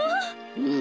うん。